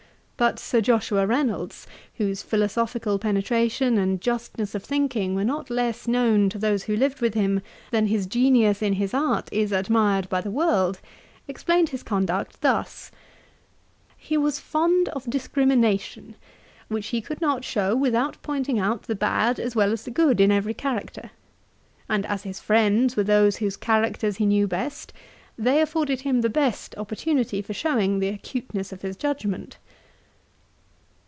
But Sir Joshua Reynolds, whose philosophical penetration and justness of thinking were not less known to those who lived with him, than his genius in his art is admired by the world, explained his conduct thus: 'He was fond of discrimination, which he could not show without pointing out the bad as well as the good in every character; and as his friends were those whose characters he knew best, they afforded him the best opportunity for showing the acuteness of his judgement.'